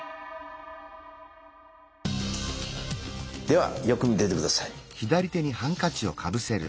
ではよく見ていて下さい。